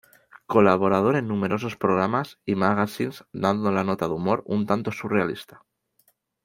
Colaborador en numerosos programas y magazines dando la nota de humor un tanto surrealista.